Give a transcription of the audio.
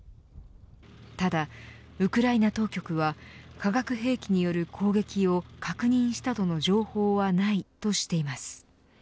ただ、ウクライナ当局は化学兵器による攻撃を確認したとの情報はないとしています。